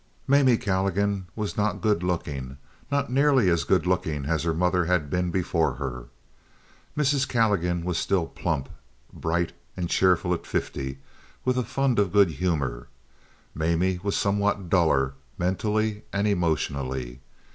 Mamie Calligan was not good looking, not nearly as good looking as her mother had been before her. Mrs. Calligan was still plump, bright, and cheerful at fifty, with a fund of good humor. Mamie was somewhat duller mentally and emotionally.